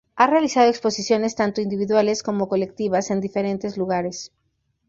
Ha realizado exposiciones tanto individuales como colectivas en diferentes lugares